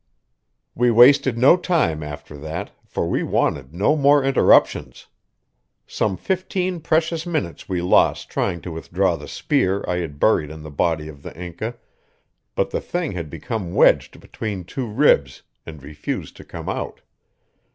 We wasted no time after that, for we wanted no more interruptions. Some fifteen precious minutes we lost trying to withdraw the spear I had buried in the body of the Inca, but the thing had become wedged between two ribs and refused to come out.